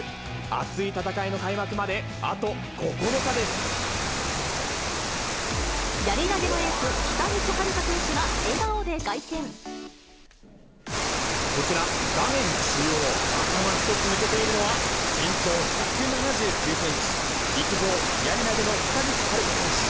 熱い戦いの開幕まで、あと９日でやり投げのエース、こちら、画面中央、頭一つ抜けているのは、身長１７９センチ、陸上やり投げの北口榛花選手。